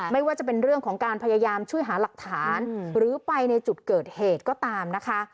ไม่ว่าจะเป็นเรื่องของการพยายามช่วยหาหลักฐานหรือไปในจุดเกิดเหตุก็ตามนะคะ